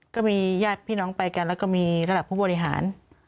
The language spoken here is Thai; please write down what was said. ก็มีญาติพี่น้องไปกันแล้วก็มีระดับผู้บริหาร